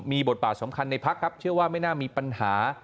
มีบทบาทสำคัญในพักครับเชื่อว่าไม่น่ามีปัญหา